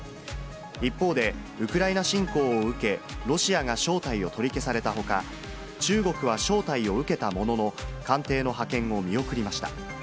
一方で、ウクライナ侵攻を受け、ロシアが招待を取り消されたほか、中国は招待を受けたものの、艦艇の派遣を見送りました。